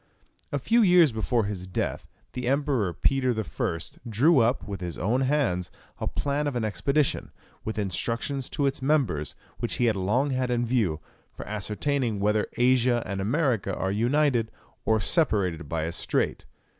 A few years before his death the Emperor Peter I. drew up, with his own hands, a plan of an expedition, with instructions to its members, which he had long had in view, for ascertaining whether Asia and America are united, or separated by a strait.